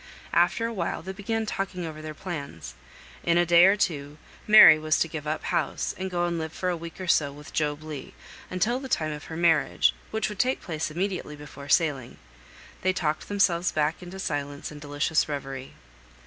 After a while they began talking over their plans. In a day or two, Mary was to give up house, and go and live for a week or so with Job Legh, until the time of her marriage, which would take place immediately before sailing; they talked themselves back into silence and delicious reverie.